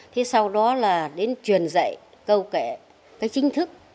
thế sau đó là đến truyền dạy câu kể cái chính thức